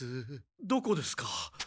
どこですか？